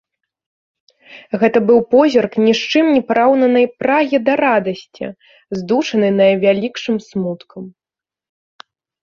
Гэта быў позірк ні з чым не параўнанай прагі да радасці, здушанай найвялікшым смуткам.